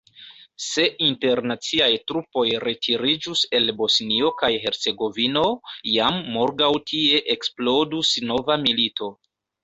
Se internaciaj trupoj retiriĝus el Bosnio kaj Hercegovino, jam morgaŭ tie eksplodus nova milito.